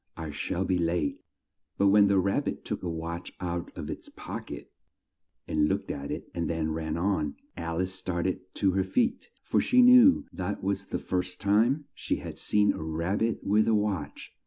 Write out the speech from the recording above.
I shall be late!" But when the Rab bit took a watch out of its pock et, and looked at it and then ran on, Al ice start ed to her feet, for she knew that was the first time she had seen a Rab bit with a watch.